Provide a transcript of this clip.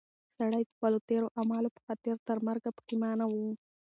سړی د خپلو تېرو اعمالو په خاطر تر مرګ پښېمانه و.